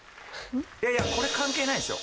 いやいやこれ関係ないですよ。